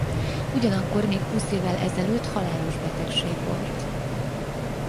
Ugyanakkor még húsz évvel ezelőtt halálos betegség volt.